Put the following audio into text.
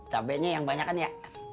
cabainya yang banyakan ya